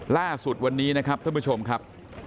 ล่าสุดวันนี้นะครับท่านผู้ชมครับ